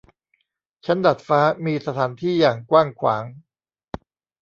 ชั้นดาดฟ้า มีสถานที่อย่างกว้างขวาง